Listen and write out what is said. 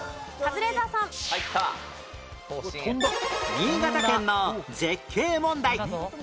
新潟県の絶景問題